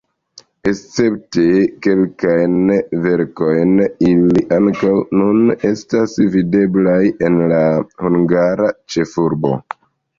Escepte kelkajn verkojn ili ankaŭ nun estas videblaj en la hungara ĉefurbo.